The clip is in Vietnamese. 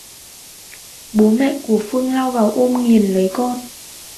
Bố mẹ của Phương lao lại ôm nghiềm lấy con